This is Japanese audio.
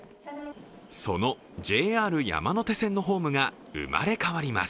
そのＪＲ山手線のホームが生まれ変わります。